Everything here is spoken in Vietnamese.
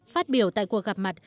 phát biểu tại cuộc gặp mặt